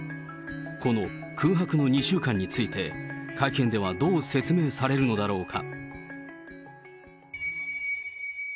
この空白の２週間について、会見ではどう説明されるのだろうか。